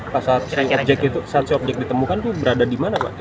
pasal si objek itu saat si objek ditemukan itu berada di mana pak